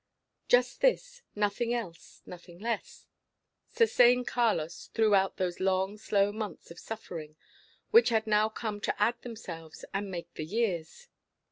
Just this, nothing else, nothing less, sustained Carlos throughout those long slow months of suffering, which had now come to "add themselves and make the years."